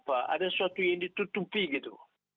ada sesuatu yang ditutupi gitu